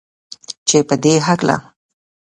چې پدې هکله